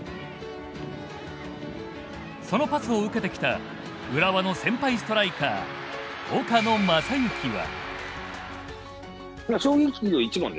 そのパスを受けてきた浦和の先輩ストライカー岡野雅行は。